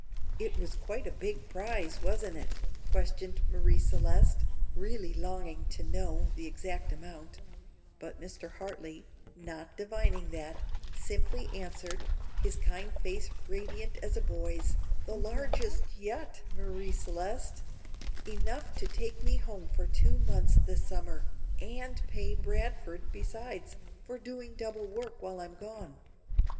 [Illustration: 0023] "It was quite a big prize, wasn't it?" questioned Marie Celeste, really longing to know the exact amount; but Mr. Hartley, not divining that, simply answered, his kind face radiant as a boy's, "The largest yet, Marie Celeste enough to take me home for two months this summer, and pay Bradford, besides, for doing double work while I'm gone.